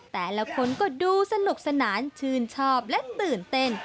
แต่ละคนก็ดูสนุกสนานชื่นชอบและตื่นเต้น